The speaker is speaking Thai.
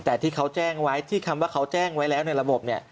แต่ที่เขาแจ้งไว้ที่คำว่าเขาแจ้งไว้แล้วในระบบเนี่ย